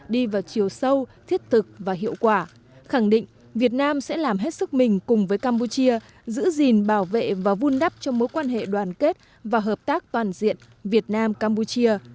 đi vào chiều sâu thiết thực và hiệu quả khẳng định việt nam sẽ làm hết sức mình cùng với campuchia giữ gìn bảo vệ và vun đắp cho mối quan hệ đoàn kết và hợp tác toàn diện việt nam campuchia